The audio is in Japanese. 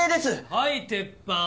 はい鉄板。